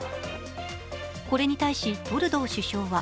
これに対し、トルドー首相は